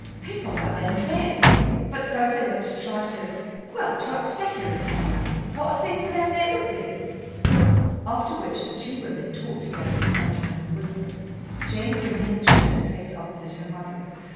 "People like them daren't. But suppose they was to try to, well, to upset her in some way, what a thing for them it would be." After which the two women talked together for some time in whispers, Jane bringing a chair to place opposite her mother's.